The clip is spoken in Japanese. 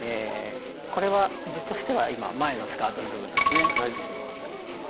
これは図としては今前のスカートの部分ですね。